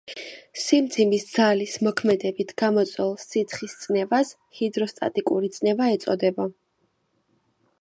სიმძიმის ძალის მოქმედებით გამოწვეულ სითხის წნევას ჰიდროსტატიკური წნევა ეწოდება.